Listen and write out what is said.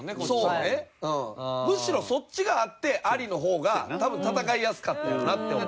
むしろそっちがあってアリの方が多分戦いやすかったんやろなって思う。